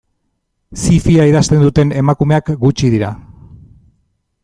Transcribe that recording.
Zi-fia idazten duten emakumeak gutxi dira.